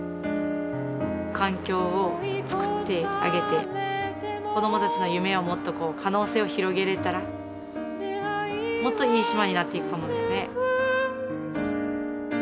環境を作ってあげて子供たちの夢をもっとこう可能性を広げれたらもっといい島になっていくかもですね。